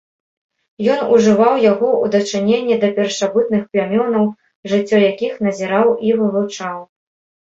Ён ужываў яго ў дачыненні да першабытных плямёнаў, жыццё якіх назіраў і вывучаў.